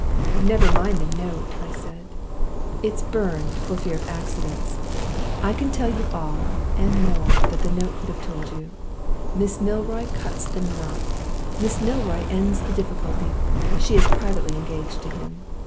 "'Never mind the note,' I said. 'It's burned, for fear of accidents. I can tell you all (and more) than the note could have told you. Miss Milroy cuts the knot! Miss Milroy ends the difficulty! She is privately engaged to him.